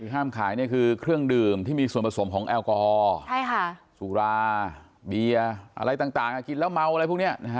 ห้ามขายเนี่ยคือเครื่องดื่มที่มีส่วนผสมของแอลกอฮอล์สุราเบียร์อะไรต่างกินแล้วเมาอะไรพวกนี้